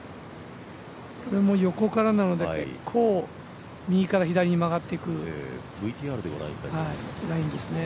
これも横からなので結構、右から左に曲がっていくラインですね。